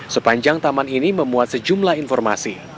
sepanjang taman ini memuat sejumlah informasi